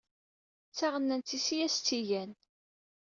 D taɣennant-is i as-tt-igan.